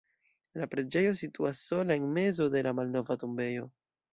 La preĝejo situas sola en mezo de la malnova tombejo.